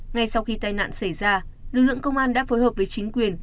ngay sau khi tai nạn xảy ra lực lượng công an đã phối hợp với chính quyền